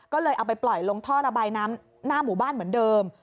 ก็เลยเอาไปปล่อยลงท่อระบายน้ำหน้าหมู่บ้านเหมือนเดิม